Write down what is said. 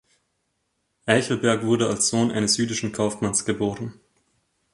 Eichelberg wurde als Sohn eines jüdischen Kaufmanns geboren.